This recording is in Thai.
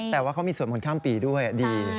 แต่ว่าเขามีสวดมนต์ข้ามปีด้วยดี